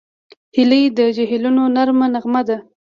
هیلۍ د جهیلونو نرمه نغمه ده